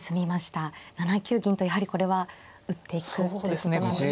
７九銀とやはりこれは打っていくということなんですね。